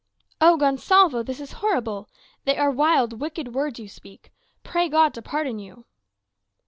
"O Gonsalvo, this is horrible! They are wild, wicked words you speak. Pray God to pardon you!"